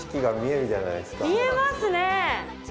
見えますね。